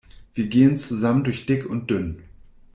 Wir gehen zusammen durch dick und dünn.